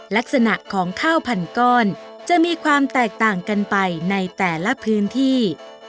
ลักษณะของข้าวพันก้อนจะมีความแตกต่างกันไปในแต่ละพื้นที่